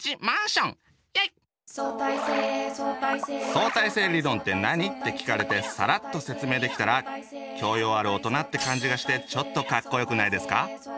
「相対性理論ってなに？」って聞かれてさらっと説明できたら教養ある大人って感じがしてちょっとカッコよくないですか？